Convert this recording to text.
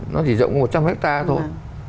nó chỉ rộng một trăm linh hectare thôi